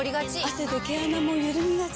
汗で毛穴もゆるみがち。